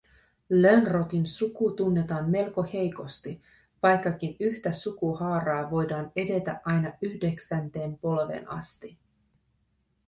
Lönnrotin suku tunnetaan melko heikosti, vaikkakin yhtä sukuhaaraa voidaan edetä aina yhdeksänteen polveen asti